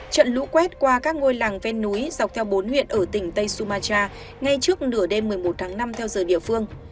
trận lũ quét qua các ngôi làng ven núi dọc theo bốn huyện ở tỉnh tây sumatra ngay trước nửa đêm một mươi một tháng năm theo giờ địa phương